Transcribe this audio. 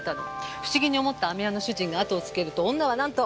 不思議に思った飴屋の主人があとをつけると女はなんと！